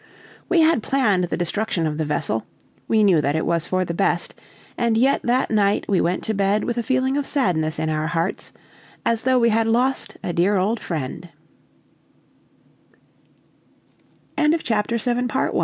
We had planned the destruction of the vessel; we knew that it was for the best; and yet that night we went to bed with a feeling of sadness in our hearts, as though we had lost a dear old friend.